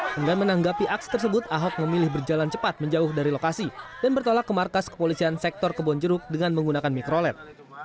dengan menanggapi aksi tersebut ahok memilih berjalan cepat menjauh dari lokasi dan bertolak ke markas kepolisian sektor kebonjeruk dengan menggunakan mikrolet